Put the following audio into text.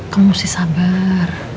kamu mesti sabar